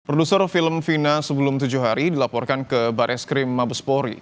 produser film vina sebelum tujuh hari dilaporkan ke bareskrim mabespori